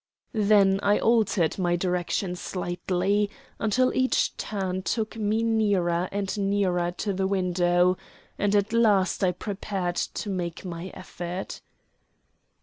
Then I altered my direction slightly, until each turn took me nearer and nearer to the window, and at last I prepared to make my effort.